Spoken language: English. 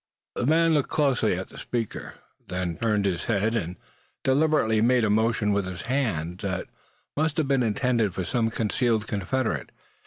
The man looked closely at the speaker; then turned his head, and deliberately made a motion with his hand, that must have been intended for some concealed confederate.